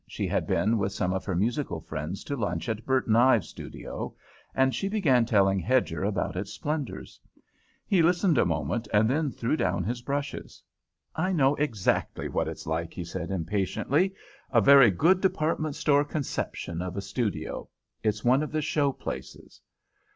She had been with some of her musical friends to lunch at Burton Ives' studio, and she began telling Hedger about its splendours. He listened a moment and then threw down his brushes. "I know exactly what it's like," he said impatiently. "A very good department store conception of a studio. It's one of the show places."